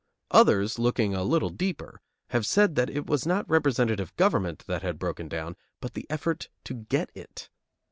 Others, looking a little deeper, have said that it was not representative government that had broken down, but the effort to get it.